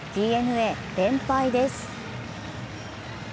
ＤｅＮＡ、連敗です。